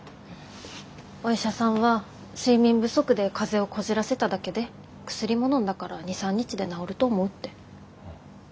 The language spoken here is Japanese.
お医者さんは「睡眠不足で風邪をこじらせただけで薬ものんだから２３日で治ると思う」って。